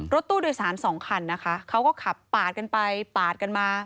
รถตู้โดยสารสองคันนะคะเขาก็ขับปาดกันไปปาดกันมา